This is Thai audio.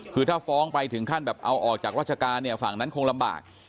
คือถ้าฟ้องไปถึงขั้นแบบเอาออกจากราชการเนี่ยฝั่งนั้นคงลำบาก